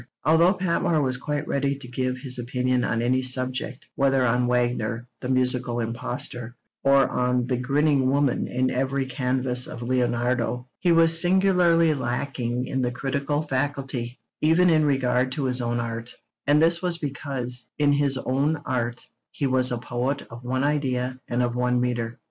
Although Patmore was quite ready to give his opinion on any subject, whether on 'Wagner, the musical impostor,' or on 'the grinning woman, in every canvas of Leonardo,' he was singularly lacking in the critical faculty, even in regard to his own art; and this was because, in his own art, he was a poet of one idea and of one metre.